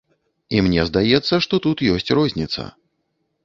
І мне здаецца, што тут ёсць розніца.